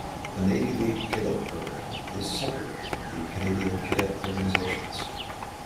The Navy League Cadet Programme is separate from the Canadian Cadet Organizations.